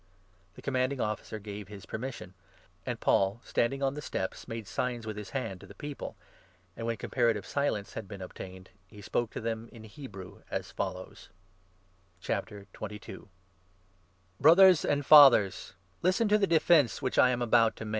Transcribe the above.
The Commanding Officer gave his permission, and Paul, stand 40 ing on the steps, made signs with his hand to the people, and, when comparative silence had been obtained, he spoke to them in Hebrew, as follows :" Brothers and Fathers, listen to the defence i Defence to which I am about to make."